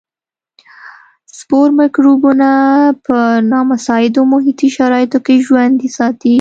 سپور مکروبونه په نامساعدو محیطي شرایطو کې ژوندي ساتي.